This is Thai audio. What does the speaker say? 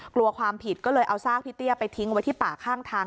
กลัวความผิดก็เลยเอาซากพี่เตี้ยไปทิ้งไว้ที่ป่าข้างทาง